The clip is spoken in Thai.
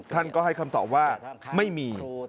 ท่านก็ให้คำตอบว่าไม่มี